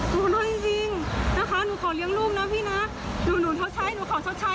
หนูขอโทษจริงนะคะหนูขอเลี้ยงลูกนะพี่นะ